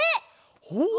ほう。